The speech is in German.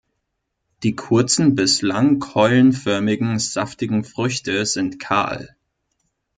Die kurzen bis lang keulenförmigen, saftigen Früchte sind kahl.